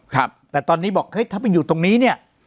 ครับแต่ตอนนี้บอกเฮ้ยถ้าเป็นอยู่ตรงนี้เนี่ย